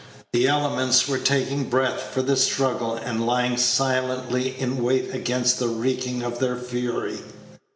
The elements were taking breath for the struggle, and lying silently in wait against the wreaking Page 83 of their fury.